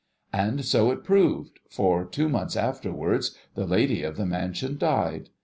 And so it proved, for, two months afterwards, the Lady of the mansion died.